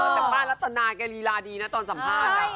แต่ป้ารัตนาแกลีลาดีนะตอนสัมภาษณ์